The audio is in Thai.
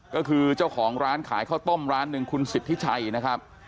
ก็คือเจ้าของร้านขายข้าวต้มร้านหนึ่งคุณสิทธิชัยนะครับ